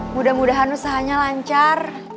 mudah mudahan usahanya lancar